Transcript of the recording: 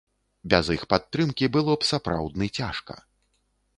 Без іх падтрымкі было б сапраўдны цяжка.